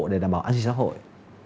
để đảm bảo an ninh xã hội